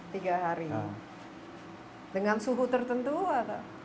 tiga hari dengan suhu tertentu ada